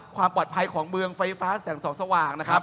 ความปลอดภัยของเมืองไฟฟ้าแสงส่องสว่างนะครับ